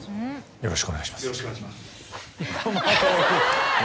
よろしくお願いします。